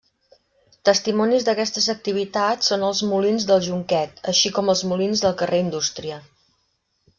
Testimonis d'aquestes activitats són els molins d'El Jonquet així com els molins del Carrer Indústria.